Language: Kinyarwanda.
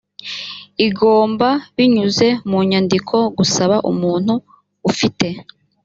igomba binyuze mu nyandiko gusaba umuntu ufite